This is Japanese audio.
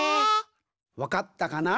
わかったかな？